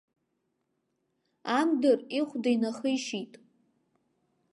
Амдыр ихәда инахишьит.